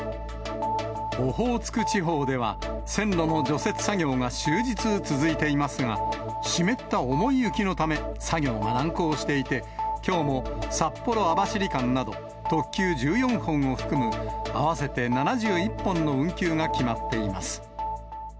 オホーツク地方では、線路の除雪作業が終日続いていますが、湿った重い雪のため、作業が難航していて、きょうも札幌・網走間など、特急１４本を含む合わせて７１本の運休が決まっています。